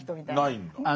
ないんだ。